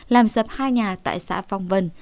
làm sập hai nhà tại xã phong vân